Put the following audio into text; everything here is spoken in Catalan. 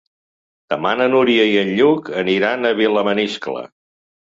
Demà na Núria i en Lluc aniran a Vilamaniscle.